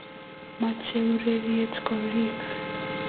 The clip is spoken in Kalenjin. Machei urerenik koriik